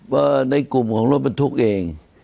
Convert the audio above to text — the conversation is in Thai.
ว่าในกลุ่มของรถบรรทุกเอง